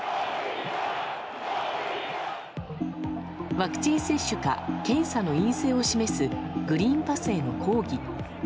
ワクチン接種か検査の陰性を示すグリーンパスへの抗議。